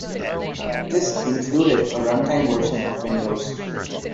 This included a run-time version of Windows.